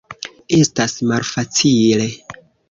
Estas malfacile.